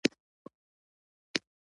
فلیریک شراب په تیزۍ سره وڅښل.